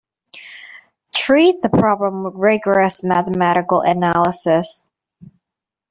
Treat the problem with rigorous mathematical analysis.